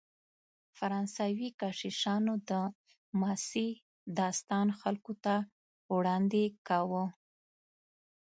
فرانسوي کشیشانو د مسیح داستان خلکو ته وړاندې کاوه.